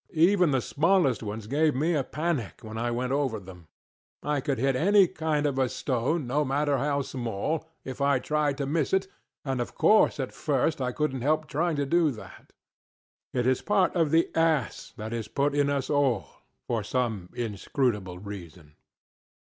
Even the smallest ones gave me a panic when I went over them. I could hit any kind of a stone, no matter how small, if I tried to miss it; and of course at first I couldnŌĆÖt help trying to do that. It is but natural. It is part of the ass that is put in us all, for some inscrutable reason.